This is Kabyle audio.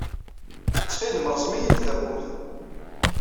Ttxil-m, rẓem-iyi-d tawwurt.